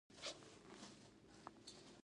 تاسو باید د موټر پرزې له سلګونه میله لرې وغواړئ